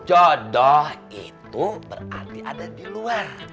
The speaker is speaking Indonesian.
jodoh itu berarti ada di luar